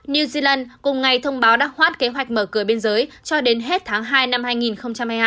new zealand cùng ngày thông báo đã hoát kế hoạch mở cửa biên giới cho đến hết tháng hai năm hai nghìn hai mươi hai